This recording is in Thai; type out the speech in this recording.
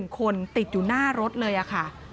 ๑คนติดอยู่หน้ารถเลยค่ะ